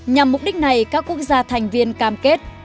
nhằm mục đích này các quốc gia thành viên cam kết